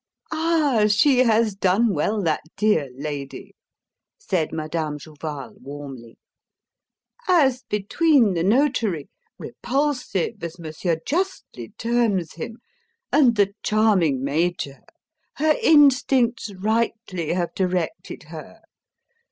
"Ah, she has done well, that dear lady," said Madame Jouval warmly. "As between the Notary repulsive, as Monsieur justly terms him and the charming Major, her instincts rightly have directed her.